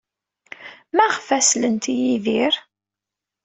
Maɣef ay sellent i Yidir?